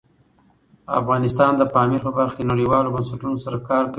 افغانستان د پامیر په برخه کې نړیوالو بنسټونو سره کار کوي.